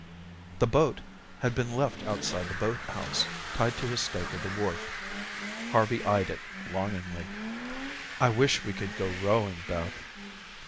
The boat had been left outside the boat house, tied to a stake of the wharf. Harvey eyed it longingly. "I wish we could go rowing, Beth."